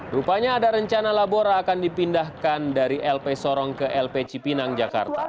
rupanya ada rencana labora akan dipindahkan dari lp sorong ke lp cipinang jakarta